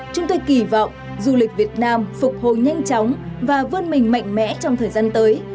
chúng tôi kỳ vọng du lịch việt nam phục hồi nhanh chóng và vươn mình mạnh mẽ trong thời gian tới